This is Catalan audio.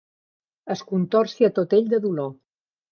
Es contorcia tot ell de dolor.